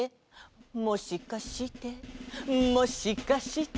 「もしかしてもしかして」